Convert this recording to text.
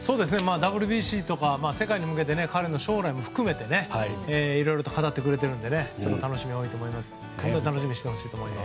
ＷＢＣとか世界に向けて彼の将来も含めていろいろと語ってくれているので楽しみにしてほしいと思います。